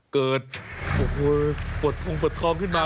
เกิดรถอ้วงเปิดของขึ้นมา